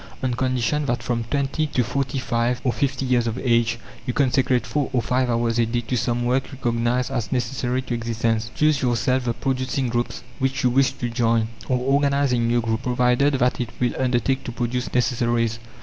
on condition that, from twenty to forty five or fifty years of age, you consecrate four or five hours a day to some work recognized as necessary to existence. Choose yourself the producing groups which you wish to join, or organize a new group, provided that it will undertake to produce necessaries.